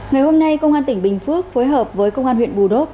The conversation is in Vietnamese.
ngày hôm nay công an tỉnh bình phước phối hợp với công an huyện bù đốp